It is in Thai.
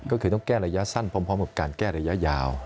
ก็คือต้องแก้ระยะสั้นพร้อมกับการแก้ระยะยาว